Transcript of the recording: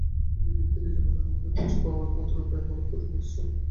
এই পৃথিবীতে নিজের পছন্দমতো কিছু পাওয়ার একমাত্র উপায় হলো কঠোর পরিশ্রম।